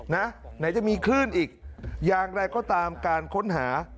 ไหนจะมีคลื่นอีกอย่างไรก็ตามการค้นหา